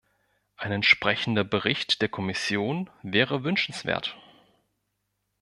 Ein entsprechender Bericht der Kommission wäre wünschenswert.